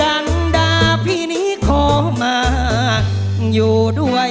กันดาพี่นี้ขอมาอยู่ด้วย